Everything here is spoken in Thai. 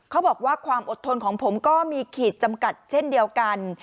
เขาบอกว่าความอดทนของผมก็มีขีดจำกัดเช่นเดียวกัน